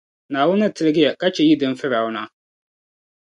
Naawuni ni tilgi ya ka chɛ yi dim Fir’auna.